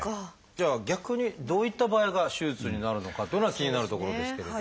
じゃあ逆にどういった場合が手術になるのかっていうのが気になるところですけれど。